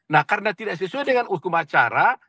nah karena tidak sesuai dengan hukum acara